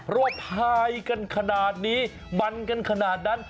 ว่าพายกันขนาดนี้มันกันขนาดนั้น